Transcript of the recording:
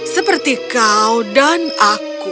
seperti kau dan aku